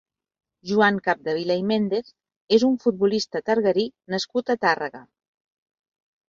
Joan Capdevila i Méndez és un futbolista targarí nascut a Tàrrega.